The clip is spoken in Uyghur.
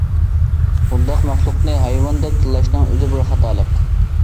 بۇنداق مەخلۇقنى ھايۋان دەپ تىللاشنىڭ ئۆزى بىر خاتالىق.